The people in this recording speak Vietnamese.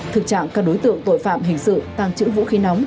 thực trạng các đối tượng tội phạm hình sự tăng trữ vũ khí nóng